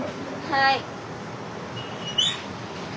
はい。